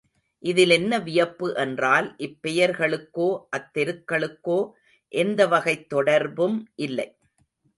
இதில் என்ன வியப்பு என்றால் இப் பெயர்களுக்கோ அத் தெருக்களுக்கோ எந்தவகைத் தொடர்பும் இல்லை.